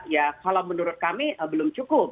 ya kalau menurut kami belum cukup